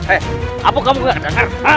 eh apa kamu gak dengar